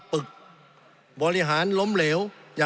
สงบจนจะตายหมดแล้วครับ